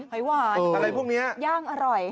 หอยหวานอะไรพวกนี้ย่างอร่อย